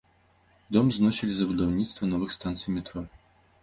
Дом зносілі з-за будаўніцтва новых станцый метро.